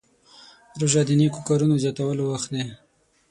روژه د نیکو کارونو زیاتولو وخت دی.